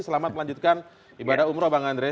selamat melanjutkan ibadah umroh bang andre